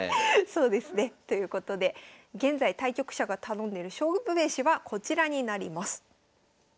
そうですね。ということで現在対局者が頼んでる勝負めしはこちらになります。